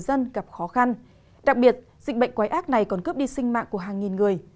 dân gặp khó khăn đặc biệt dịch bệnh quái ác này còn cướp đi sinh mạng của hàng nghìn người